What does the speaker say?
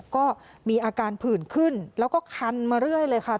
ก็มีอาการผื่นขึ้นแล้วก็คันมาเรื่อยเลยค่ะ